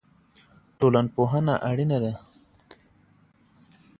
ټولنپوهنه اړینه ده.